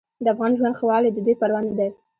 د افغان ژوند ښهوالی د دوی پروا نه ده.